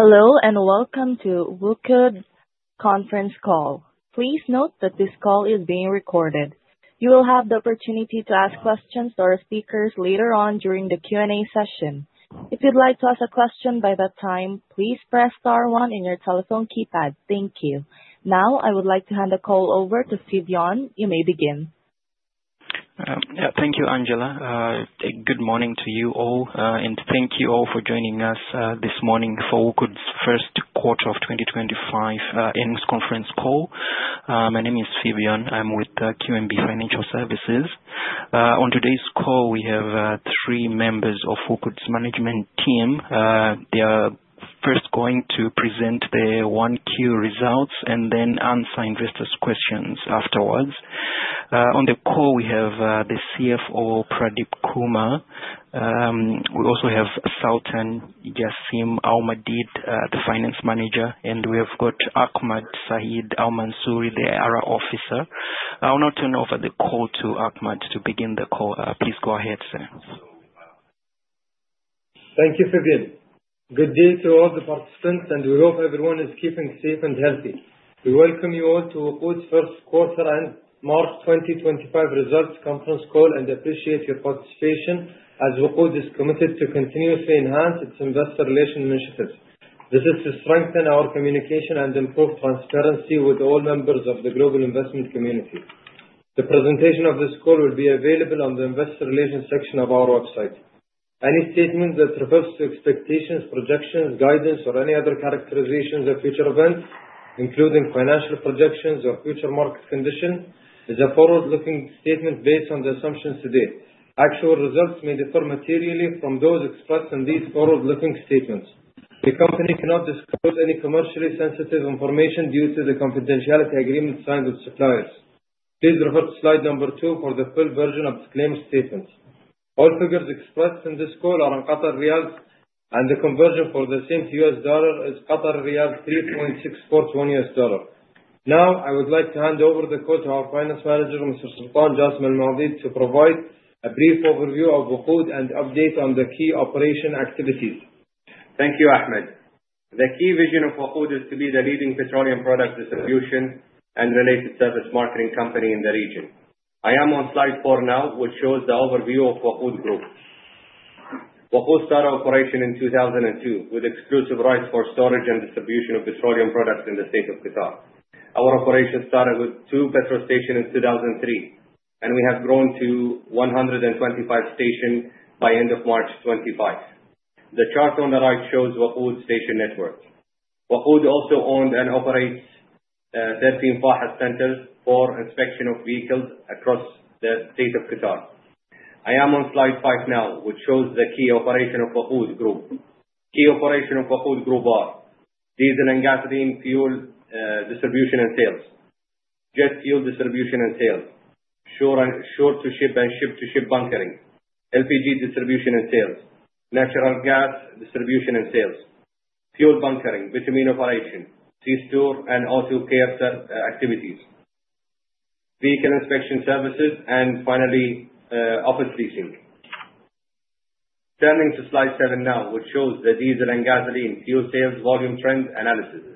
Hello and welcome to WOQOD's conference call. Please note that this call is being recorded. You will have the opportunity to ask questions to our speakers later on during the Q&A session. If you'd like to ask a question by that time, please press star one on your telephone keypad. Thank you. Now, I would like to hand the call over to Phibion. You may begin. Yeah. Thank you, Angela. Good morning to you all, and thank you all for joining us this morning for WOQOD's first quarter of 2025 earnings conference call. My name is Phibion. I'm with QNB Financial Services. On today's call, we have three members of WOQOD's management team. They are first going to present their Q1 results and then answer investors' questions afterwards. On the call, we have the CFO, Pradeep Kumar. We also have Sultan Jassim Al-Maadeed, the finance manager, and we have got Ahmed Saeed Al-Mansouri, the IR Officer. I'll now turn over the call to Ahmed to begin the call. Please go ahead, sir. Thank you, Phibion. Good day to all the participants, and we hope everyone is keeping safe and healthy. We welcome you all to WOQOD's first quarter and March 2025 results conference call and appreciate your participation as WOQOD is committed to continuously enhance its investor relations initiatives. This is to strengthen our communication and improve transparency with all members of the global investment community. The presentation of this call will be available on the investor relations section of our website. Any statement that refers to expectations, projections, guidance, or any other characterizations of future events, including financial projections or future market conditions, is a forward-looking statement based on the assumptions today. Actual results may differ materially from those expressed in these forward-looking statements. The company cannot disclose any commercially sensitive information due to the confidentiality agreements signed with suppliers. Please refer to slide number two for the full version of the claim statement. All figures expressed in this call are in QAR, and the conversion for the same USD is QAR 3.6421 to $1. Now, I would like to hand over the call to our Finance Manager, Mr. Sultan Jassim Al-Maadeed, to provide a brief overview of WOQOD and update on the key operation activities. Thank you, Ahmed. The key vision of WOQOD is to be the leading petroleum product distribution and related service marketing company in the region. I am on slide four now, which shows the overview of WOQOD Group. WOQOD started operation in 2002 with exclusive rights for storage and distribution of petroleum products in the state of Qatar. Our operation started with two petrol stations in 2003, and we have grown to 125 stations by the end of March 2025. The chart on the right shows WOQOD station network. WOQOD also owns and operates 13 FAHES centers for inspection of vehicles across the state of Qatar. I am on slide five now, which shows the key operation of WOQOD Group. Key operation of WOQOD Group are diesel and gasoline fuel distribution and sales, jet fuel distribution and sales, shore-to-ship and ship-to-ship bunkering, LPG distribution and sales, natural gas distribution and sales, fuel bunkering, bitumen operation, C-Store, and Auto Care activities, vehicle inspection services, and finally, office leasing. Turning to slide seven now, which shows the diesel and gasoline fuel sales volume trend analysis.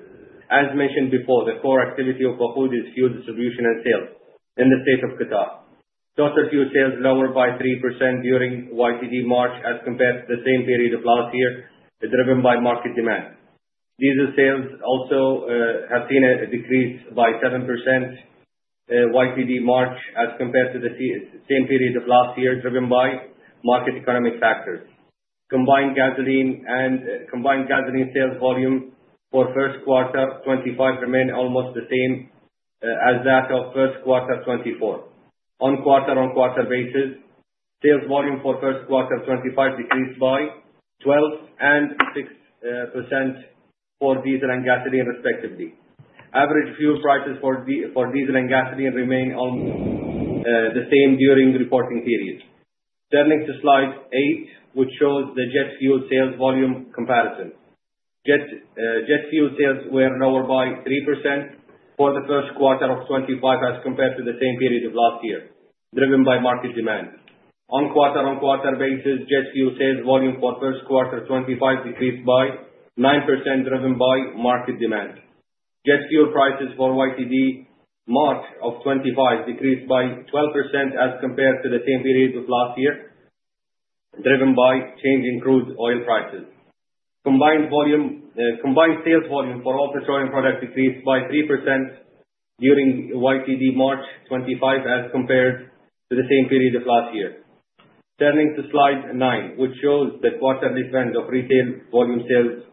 As mentioned before, the core activity of WOQOD is fuel distribution and sales in the state of Qatar. Total fuel sales lowered by 3% during YTD March as compared to the same period of last year, driven by market demand. Diesel sales also have seen a decrease by 7% YTD March as compared to the same period of last year, driven by market economic factors. Combined gasoline sales volume for first quarter 2025 remained almost the same as that of first quarter 2024. On quarter-on-quarter basis, sales volume for first quarter 2025 decreased by 12% and 6% for diesel and gasoline, respectively. Average fuel prices for diesel and gasoline remained almost the same during the reporting period. Turning to slide eight, which shows the jet fuel sales volume comparison. Jet fuel sales were lower by 3% for the first quarter of 2025 as compared to the same period of last year, driven by market demand. On quarter-on-quarter basis, jet fuel sales volume for first quarter 2025 decreased by 9%, driven by market demand. Jet fuel prices for YTD March of 2025 decreased by 12% as compared to the same period of last year, driven by changing crude oil prices. Combined sales volume for all petroleum products decreased by 3% during YTD March 2025 as compared to the same period of last year. Turning to slide nine, which shows the quarterly trend of retail volume sales.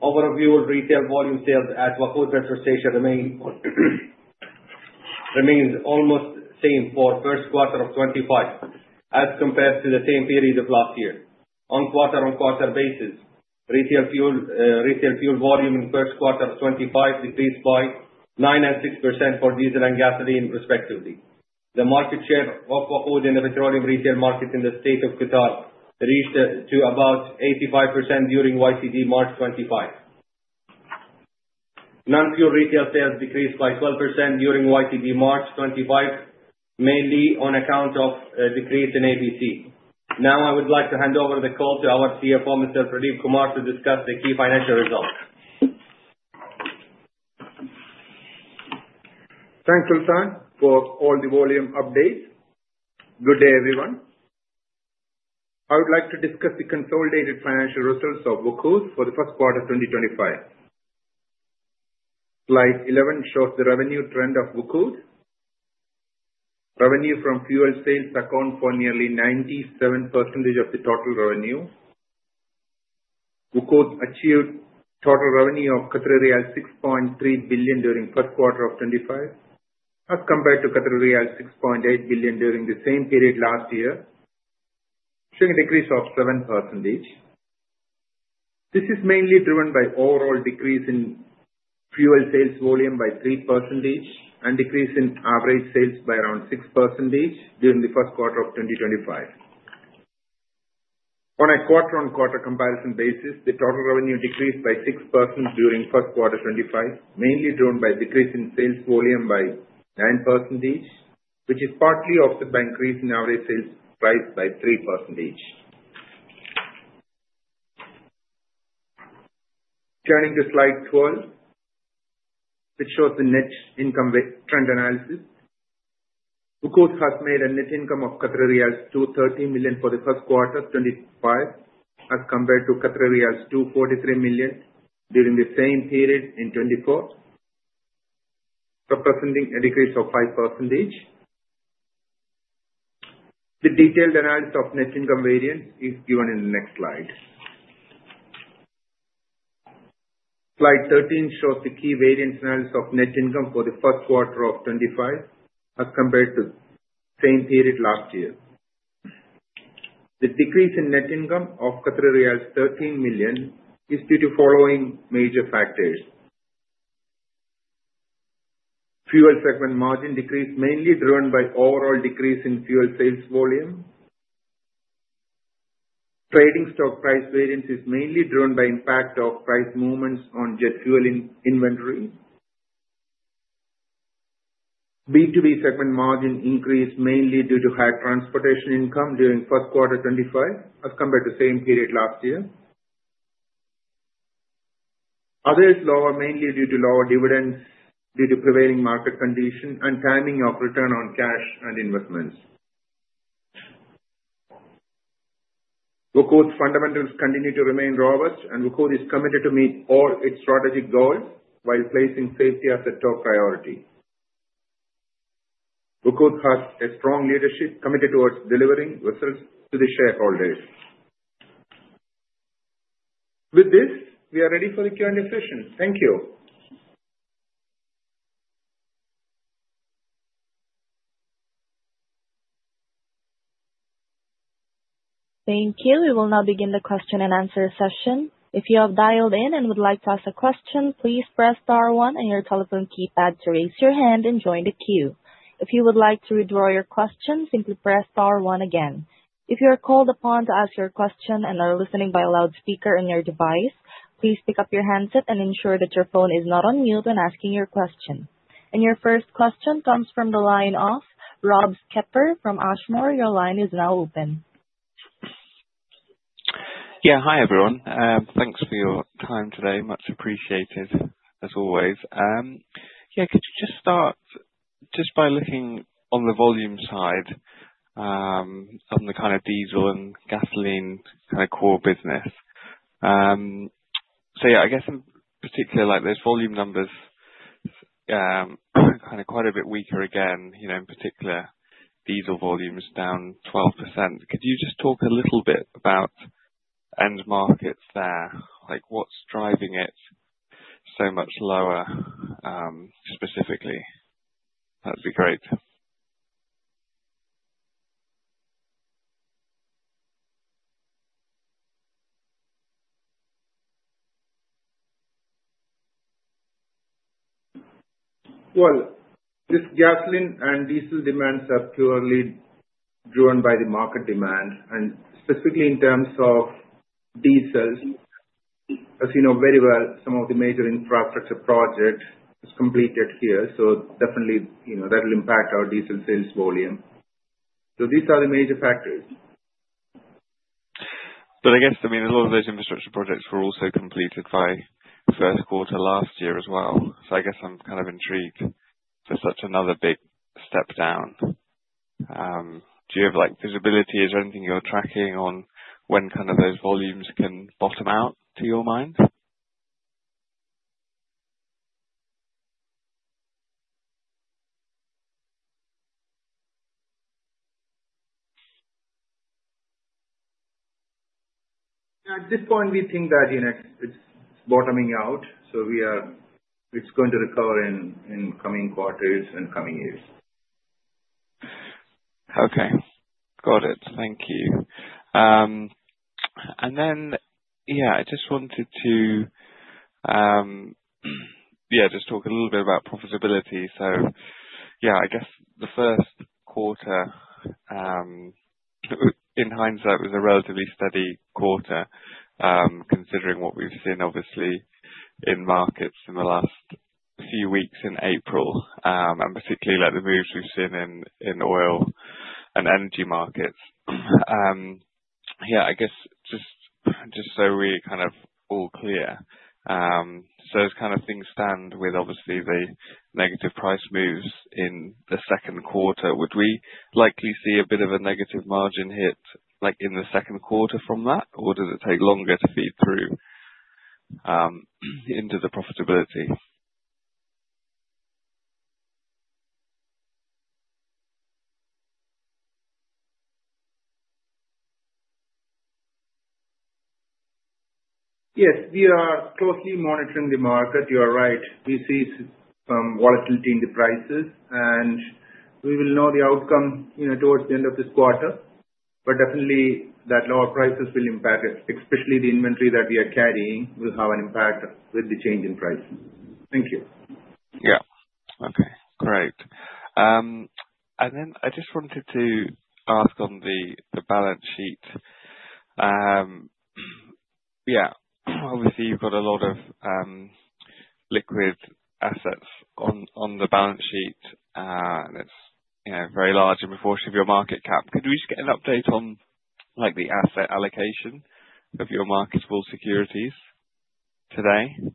Overview of retail volume sales at WOQOD petrol stations remains almost the same for first quarter of 2025 as compared to the same period of last year. On quarter-on-quarter basis, retail fuel volume in first quarter of 2025 decreased by 9% and 6% for diesel and gasoline, respectively. The market share of WOQOD in the petroleum retail market in the state of Qatar reached to about 85% during YTD March 2025. Non-fuel retail sales decreased by 12% during YTD March 2025, mainly on account of a decrease in ABC. Now, I would like to hand over the call to our CFO, Mr. Pradeep Kumar, to discuss the key financial results. Thanks, Sultan, for all the volume updates. Good day, everyone. I would like to discuss the consolidated financial results of WOQOD for the first quarter of 2025. Slide 11 shows the revenue trend of WOQOD. Revenue from fuel sales accounts for nearly 97% of the total revenue. WOQOD achieved total revenue of 6.3 billion during the first quarter of 2025 as compared to 6.8 billion during the same period last year, showing a decrease of 7%. This is mainly driven by overall decrease in fuel sales volume by 3% and decrease in average sales by around 6% during the first quarter of 2025. On a quarter-on-quarter comparison basis, the total revenue decreased by 6% during the first quarter of 2025, mainly driven by a decrease in sales volume by 9%, which is partly offset by an increase in average sales price by 3%. Turning to slide 12, which shows the net income trend analysis. WOQOD has made a net income of 230 million for the first quarter of 2025 as compared to 243 million during the same period in 2024, representing a decrease of 5%. The detailed analysis of net income variance is given in the next slide. Slide 13 shows the key variance analysis of net income for the first quarter of 2025 as compared to the same period last year. The decrease in net income of 13 million is due to the following major factors: fuel segment margin decrease, mainly driven by an overall decrease in fuel sales volume. Trading stock price variance is mainly driven by the impact of price movements on jet fuel inventory. B2B segment margin increase, mainly due to high transportation income during the first quarter of 2025 as compared to the same period last year. Others lower mainly due to lower dividends due to prevailing market conditions and timing of return on cash and investments. WOQOD's fundamentals continue to remain robust, and WOQOD is committed to meeting all its strategic goals while placing safety as a top priority. WOQOD has a strong leadership committed towards delivering results to the shareholders. With this, we are ready for the Q&A session. Thank you. Thank you. We will now begin the question and answer session. If you have dialed in and would like to ask a question, please press star one on your telephone keypad to raise your hand and join the queue. If you would like to withdraw your question, simply press star one again. If you are called upon to ask your question and are listening by a loudspeaker in your device, please pick up your handset and ensure that your phone is not on mute when asking your question. Your first question comes from the line of Rob Skepper from Ashmore. Your line is now open. Yeah. Hi, everyone. Thanks for your time today. Much appreciated, as always. Yeah. Could you just start just by looking on the volume side on the kind of diesel and gasoline kind of core business? Yeah, I guess, in particular, those volume numbers are kind of quite a bit weaker again, in particular, diesel volumes down 12%. Could you just talk a little bit about end markets there? What's driving it so much lower, specifically? That'd be great. Gasoline and diesel demands are purely driven by the market demand, and specifically in terms of diesel. As you know very well, some of the major infrastructure projects are completed here, so definitely that will impact our diesel sales volume. These are the major factors. I mean, a lot of those infrastructure projects were also completed by the first quarter last year as well. I guess I'm kind of intrigued for such another big step down. Do you have visibility? Is there anything you're tracking on when kind of those volumes can bottom out, to your mind? At this point, we think that it's bottoming out, so it's going to recover in coming quarters and coming years. Okay. Got it. Thank you. I just wanted to talk a little bit about profitability. I guess the first quarter, in hindsight, was a relatively steady quarter, considering what we've seen, obviously, in markets in the last few weeks in April, and particularly the moves we've seen in oil and energy markets. I guess just so we're kind of all clear, as things stand with, obviously, the negative price moves in the second quarter, would we likely see a bit of a negative margin hit in the second quarter from that, or does it take longer to feed through into the profitability? Yes. We are closely monitoring the market. You are right. We see some volatility in the prices, and we will know the outcome towards the end of this quarter. Definitely, that lower prices will impact it, especially the inventory that we are carrying will have an impact with the change in prices. Thank you. Yeah. Okay. Great. I just wanted to ask on the balance sheet. Yeah. Obviously, you've got a lot of liquid assets on the balance sheet. It's very large and proportionate of your market cap. Could we just get an update on the asset allocation of your marketable securities today? Yeah.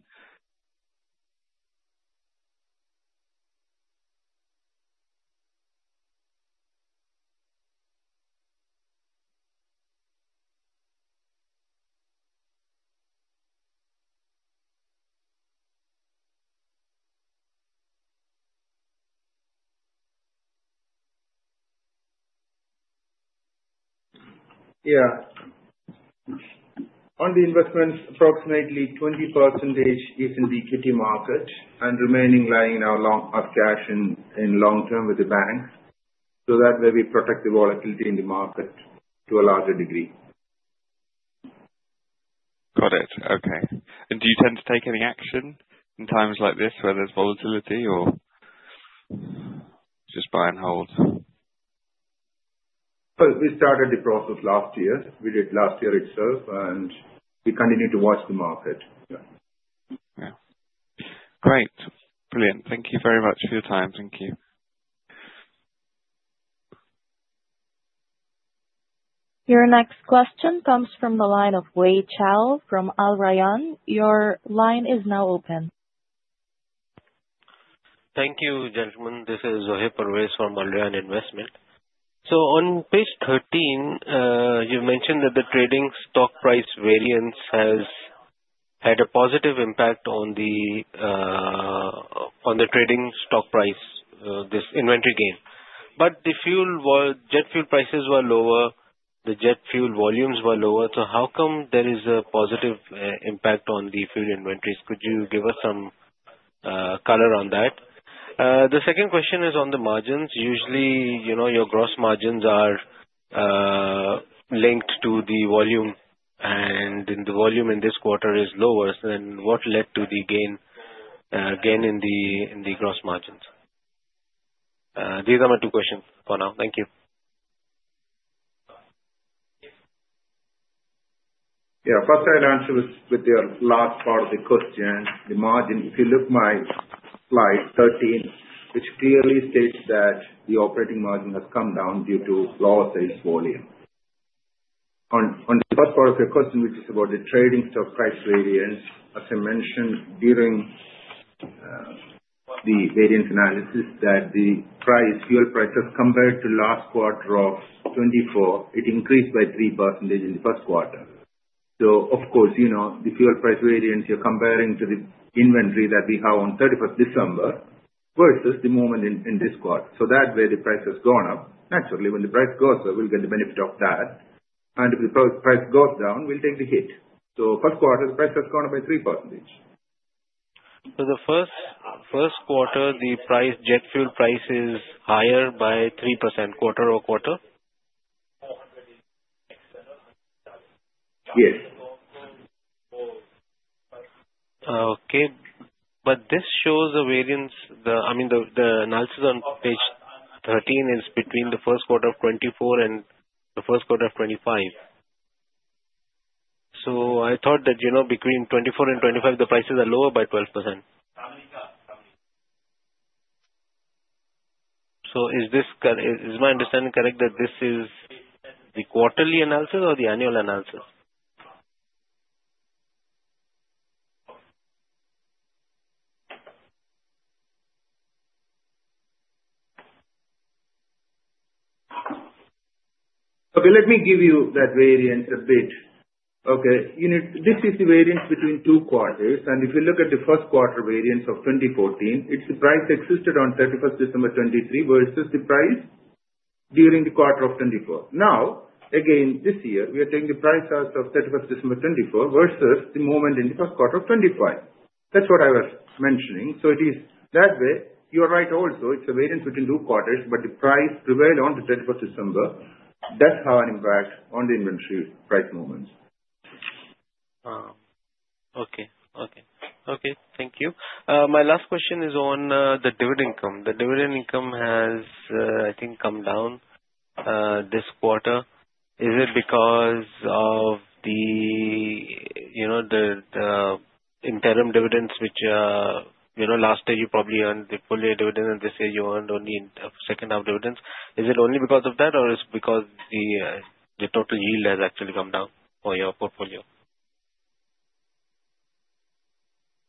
On the investments, approximately 20% is in the equity market and remaining lying in our long-term cash and in long-term with the banks. That way, we protect the volatility in the market to a larger degree. Got it. Okay. Do you tend to take any action in times like this where there's volatility or just buy and hold? We started the process last year. We did last year itself, and we continue to watch the market. Yeah. Great. Brilliant. Thank you very much for your time. Thank you. Your next question comes from the line of Zohaib Pervez from Al Rayan. Your line is now open. Thank you, gentlemen. This is Zohaib Pervez from Al Rayan Investment. On page 13, you mentioned that the trading stock price variance has had a positive impact on the trading stock price, this inventory gain. The jet fuel prices were lower. The jet fuel volumes were lower. How come there is a positive impact on the fuel inventories? Could you give us some color on that? The second question is on the margins. Usually, your gross margins are linked to the volume, and the volume in this quarter is lower. What led to the gain in the gross margins? These are my two questions for now. Thank you. Yeah. First, I'd answer with the last part of the question, the margin. If you look at my slide 13, which clearly states that the operating margin has come down due to lower sales volume. On the first part of your question, which is about the trading stock price variance, as I mentioned during the variance analysis, that the fuel prices, compared to last quarter of 2024, increased by 3% in the first quarter. Of course, the fuel price variance, you're comparing to the inventory that we have on 31st December versus the movement in this quarter. That way, the price has gone up. Naturally, when the price goes up, we'll get the benefit of that. If the price goes down, we'll take the hit. First quarter, the price has gone up by 3%. The first quarter, the jet fuel price is higher by 3%, quarter over quarter? Yes. Okay. This shows a variance. I mean, the analysis on page 13 is between the first quarter of 2024 and the first quarter of 2025. I thought that between 2024 and 2025, the prices are lower by 12%. Is my understanding correct that this is the quarterly analysis or the annual analysis? Okay. Let me give you that variance a bit. Okay. This is the variance between two quarters. If you look at the first quarter variance of 2014, its price existed on 31st December 2023 versus the price during the quarter of 2024. Now, again, this year, we are taking the price out of 31st December 2024 versus the movement in the first quarter of 2025. That is what I was mentioning. It is that way. You are right also. It is a variance between two quarters, but the price prevailed on the 31st December. That is how it impacts on the inventory price movements. Okay. Okay. Okay. Thank you. My last question is on the dividend income. The dividend income has, I think, come down this quarter. Is it because of the interim dividends, which last year you probably earned the full year dividend, and this year you earned only a second half dividends? Is it only because of that, or is it because the total yield has actually come down for your portfolio?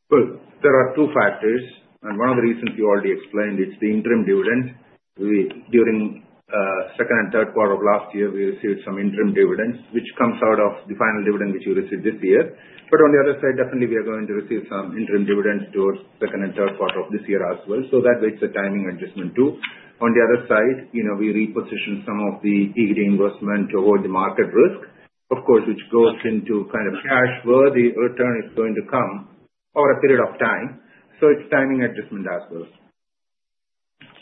There are two factors. One of the reasons you already explained, it's the interim dividend. During the second and third quarter of last year, we received some interim dividends, which comes out of the final dividend which you received this year. On the other side, definitely, we are going to receive some interim dividends towards the second and third quarter of this year as well. That way, it's a timing adjustment too. On the other side, we reposition some of the equity investment toward the market risk, of course, which goes into kind of cash where the return is going to come over a period of time. It's timing adjustment as well.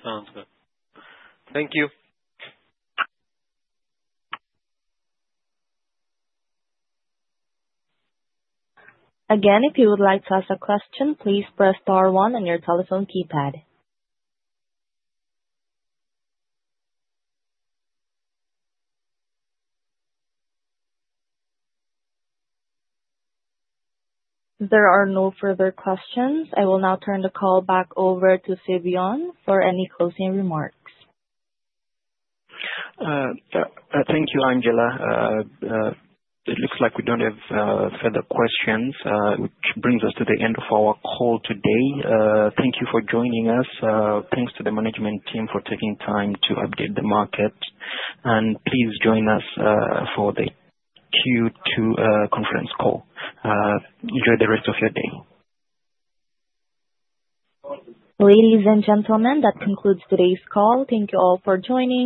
Sounds good. Thank you. Again, if you would like to ask a question, please press star one on your telephone keypad. There are no further questions. I will now turn the call back over to Phibion for any closing remarks. Thank you, Angela. It looks like we don't have further questions, which brings us to the end of our call today. Thank you for joining us. Thanks to the management team for taking time to update the market. Please join us for the Q2 conference call. Enjoy the rest of your day. Ladies and gentlemen, that concludes today's call. Thank you all for joining.